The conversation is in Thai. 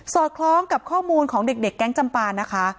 อดคล้องกับข้อมูลของเด็กแก๊งจำปานะคะ